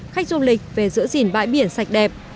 khách du lịch về giữa rỉn bãi biển sạch đẹp